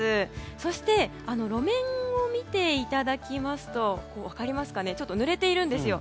そして路面を見ていただきますと分かりますかねちょっとぬれているんですよ。